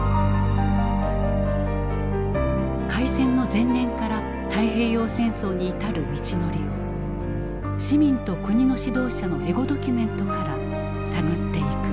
開戦の前年から太平洋戦争に至る道のりを市民と国の指導者のエゴドキュメントから探っていく。